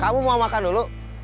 kamu mau makan dulu